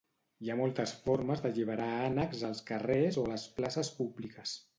Hi ha moltes formes d'alliberar ànecs als carrers o a les places públiques.